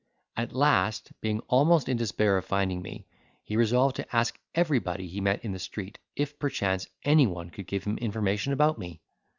At last, being almost in despair of finding me, he resolved to ask everybody he met in the street, if perchance anyone could give him information about me!